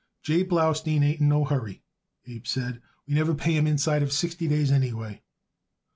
"J. Blaustein ain't in no hurry," Abe said. "We never pay him inside of sixty days, anyway."